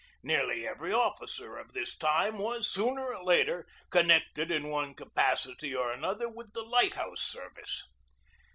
Nearly every officer of this time was, sooner or later, connected in one capacity or another with the light house service.